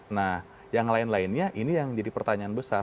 nah yang lain lainnya ini yang jadi pertanyaan besar